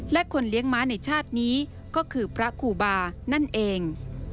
และคนเลี้ยงม้าในชาตินี้ก็คือพระครูบานั่นเอง